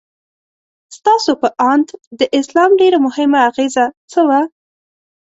ستاسو په اند د اسلام ډېره مهمه اغیزه څه وه؟